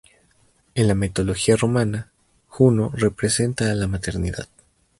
En la mitología romana Juno representa a la maternidad.